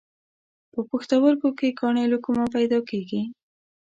په پښتورګو کې کاڼي له کومه پیدا کېږي؟